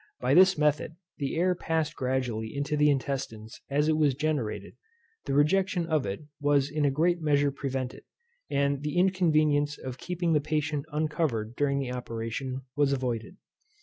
By this method the air passed gradually into the intestines as it was generated; the rejection of it was in a great measure prevented; and the inconvenience of keeping the patient uncovered during the operation was avoided.